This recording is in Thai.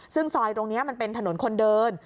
ซึ่งซอยตรงนี้มันเป็นถนนคนเดิน